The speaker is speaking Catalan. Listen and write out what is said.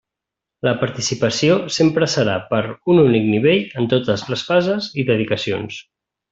La participació sempre serà per un únic nivell en totes les fases i dedicacions.